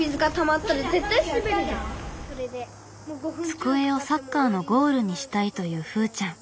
机をサッカーのゴールにしたいというふーちゃん。